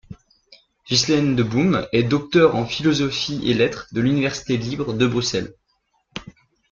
Ghislaine De Boom est docteur en Philosophie et Lettres de l'Université libre de Bruxelles.